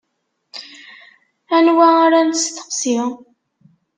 Anwa ara nesteqsi?